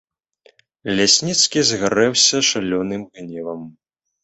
Лясніцкі загарэўся шалёным гневам.